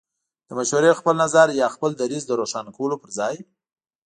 د مشورې، خپل نظر يا خپل دريځ د روښانه کولو پر ځای